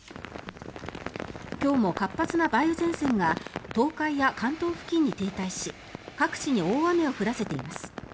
今日も活発な梅雨前線が東海や関東付近に停滞し各地に大雨を降らせています。